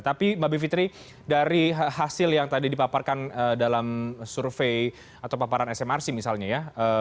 tapi mbak bivitri dari hasil yang tadi dipaparkan dalam survei atau paparan smrc misalnya ya